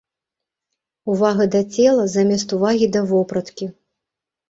Увага да цела замест увагі да вопраткі.